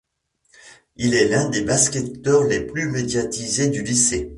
Il est l'un des basketteurs les plus médiatisés du lycée.